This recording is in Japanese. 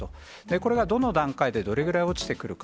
これがどの段階で、どれぐらい落ちてくるか。